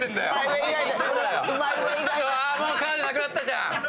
カードなくなったじゃん。